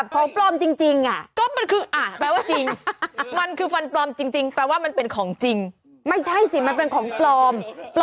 เขาสั่งฟันปลอม